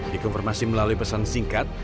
di konfirmasi melalui pesan singkat